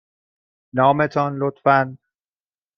نام تان، لطفاً.